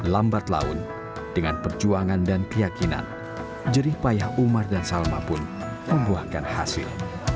lambat laun dengan perjuangan dan keyakinan jerih payah umar dan salma pun membuahkan hasil